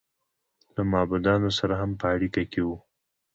له معبودانو سره هم په اړیکه کې و.